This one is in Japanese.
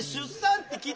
って。